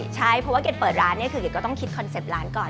ใช่เพราะว่าเกรดเปิดร้านเนี่ยคือเกดก็ต้องคิดคอนเซ็ปต์ร้านก่อน